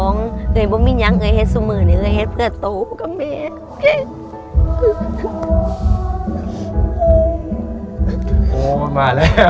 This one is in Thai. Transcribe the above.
เนอะเนอะเนอะ